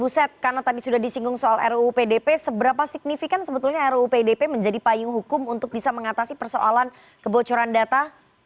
bu set karena tadi sudah disinggung soal ruu pdp seberapa signifikan sebetulnya ruu pdp menjadi payung hukum untuk bisa mengatasi persoalan kebocoran data